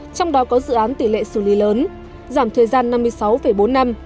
trong đó có dự án tỷ lệ xử lý lớn giảm thời gian năm mươi sáu bốn năm